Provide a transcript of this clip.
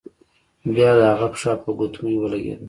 بیا د هغه پښه په ګوتمۍ ولګیده.